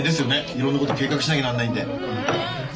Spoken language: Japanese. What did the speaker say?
いろんなこと計画しなきゃなんないんで。